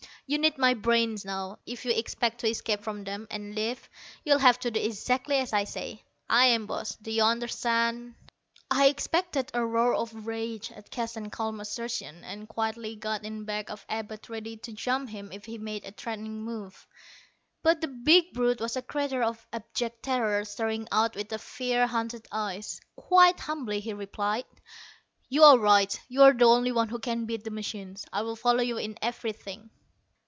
You need my brains now. If you expect to escape from them, and live, you'll have to do exactly as I say. I'm boss, do you understand?" I expected a roar of rage at Keston's calm assertion, and quietly got in back of Abud ready to jump him if he made a threatening move. But the big brute was a creature of abject terror, staring out with fear haunted eyes. Quite humbly he replied: "You are right. You are the only one who can beat the machines. I'll follow you in everything."